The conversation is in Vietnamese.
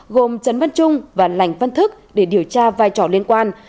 gồm trấn văn trung và lành văn thức để điều tra vai trò liên quan